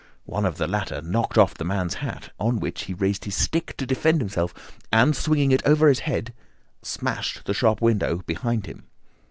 One of the latter knocked off the man's hat, on which he raised his stick to defend himself and, swinging it over his head, smashed the shop window behind him.